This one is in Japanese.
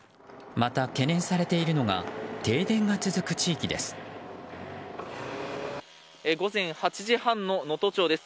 また懸念されているのが停電が続く地域です。